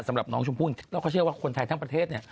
สำหรับน้องชมพู่เราก็เชื่อว่าคนไทยทั้งประเทศเนี่ย